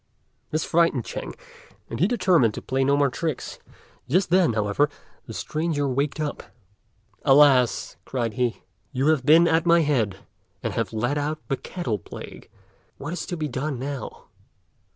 This frightened Ch'ên, and he determined to play no more tricks; just then, however, the stranger waked up. "Alas!" cried he, "you have been at my head, and have let out the Cattle Plague. What is to be done, now?"